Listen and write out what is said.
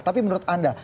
tapi menurut anda